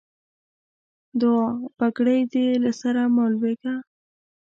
دوعا؛ بګړۍ دې له سره مه لوېږه.